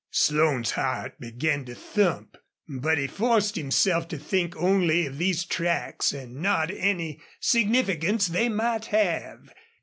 Slone's heart began to thump. But he forced himself to think only of these tracks and not any significance they might have.